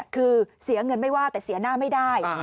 คือเสียเงินไม่ว่าแต่เสียหน้าไม่ได้